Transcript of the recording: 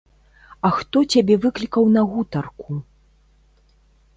А хто цябе выклікаў на гутарку?